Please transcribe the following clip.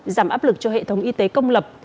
giảm áp lực cho hệ thống y tế công lập